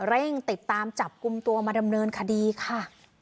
เร่งติดตามจับกลุ่มตัวมาดำเนินคดีค่ะ